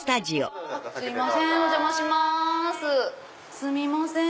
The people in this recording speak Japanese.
すみません。